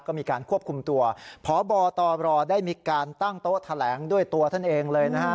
ก็มีการควบคุมตัวพบตรได้มีการตั้งโต๊ะแถลงด้วยตัวท่านเองเลยนะฮะ